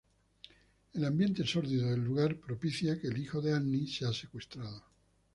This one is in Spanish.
El ambiente sórdido del lugar propicia que el hijo de Annie sea secuestrado.